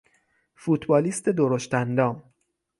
فوتبالیست درشت اندام